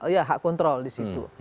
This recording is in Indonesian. ya hak kontrol di situ